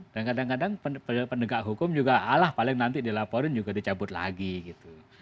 dan kadang kadang penegak hukum juga alah paling nanti dilaporin juga dicabut lagi gitu